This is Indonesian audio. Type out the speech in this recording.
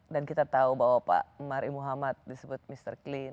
dan kita tahu bahwa pak mari muhammad disebut mr clean